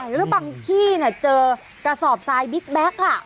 ใช่แล้วบางที่เนี่ยเจอกระสอบซายบิ๊กแบ๊กอ่ะ